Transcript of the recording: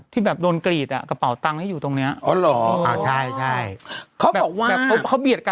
ที่แบบโดนกรีดกระเป๋าตังค์้าอยู่ตรงเนี้ย